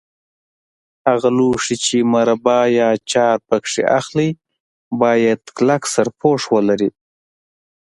هغه لوښي چې مربا یا اچار پکې اخلئ باید کلک سرپوښ ولري.